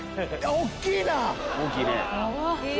大きいね。